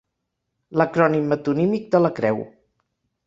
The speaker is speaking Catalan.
L'acrònim metonímic de la creu.